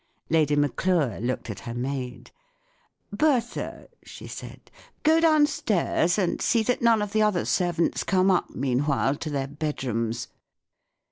Lady Maclure looked at her maid. " Bertha," she said, " go downstairs, and see that none of the other servants come up, meanwhile, to their bedrooms."